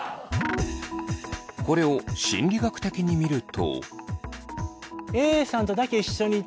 これを心理学的に見ると。